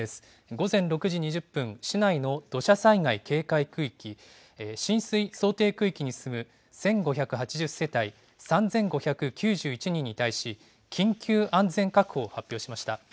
午前６時２０分、市内の土砂災害警戒区域、浸水想定区域に住む１５８０世帯３５９１人に対し、緊急安全確保を発表しました。